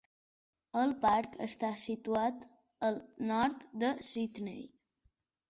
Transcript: El parc està situat al nord de Sydney.